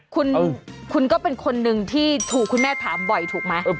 คุณก็เป็นคนหนึ่งที่ถูกคุณแม่ถามบ่อยถูกไหม